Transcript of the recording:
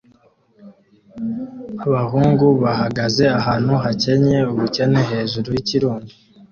abahungu bahagaze ahantu hakennye ubukene hejuru yikirundo